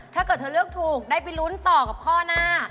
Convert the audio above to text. ถ้าเกิดเธอเลือกถูกได้ไปลุ้นต่อกับข้อหน้า